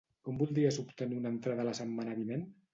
Com voldries obtenir una entrada la setmana vinent?